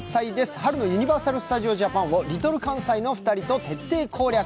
春のユニバーサル・スタジオ・ジャパンをＬｉｌかんさいのお二人と徹底攻略。